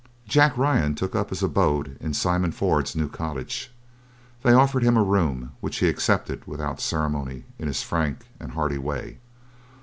Jack Ryan took up his abode in Simon Ford's new cottage. They offered him a room, which he accepted without ceremony, in his frank and hearty way.